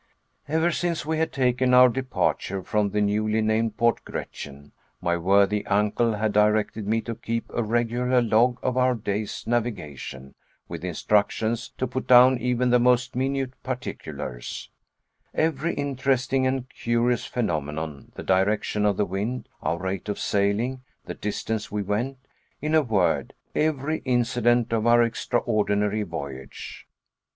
Ever since we had taken our departure from the newly named Port Gretchen, my worthy uncle had directed me to keep a regular log of our day's navigation, with instructions to put down even the most minute particulars, every interesting and curious phenomenon, the direction of the wind, our rate of sailing, the distance we went; in a word, every incident of our extraordinary voyage.